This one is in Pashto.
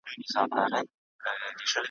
نه ښکاریانو سوای په دام کي اچولای ,